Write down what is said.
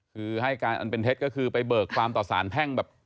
คือให้การอันเป็นเท็จก็คือไปเบิกความต่อสารแพ่งแบบ